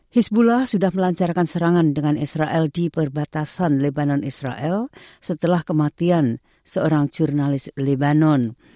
hizbullah sudah melancarkan serangan dengan israel di perbatasan lebanon israel setelah kematian seorang jurnalis lebanon